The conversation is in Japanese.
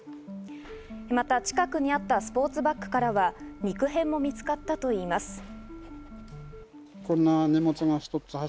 また近くにあったスポーツバッグからは肉片も見つかったといいます。